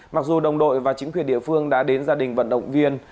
mặc dù đồng đội và chính quyền địa phương đã đến gia đình vận động viên